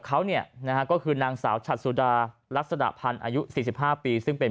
เขาเนี่ยนะฮะก็คือนางสาวฉัดสุดาลักษณะพันธ์อายุ๔๕ปีซึ่งเป็น